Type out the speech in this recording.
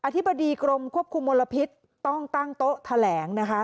ธิบดีกรมควบคุมมลพิษต้องตั้งโต๊ะแถลงนะคะ